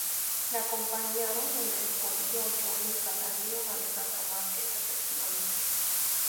Le acompañaron en el podio Joni Brandão y Alejandro Marque, respectivamente.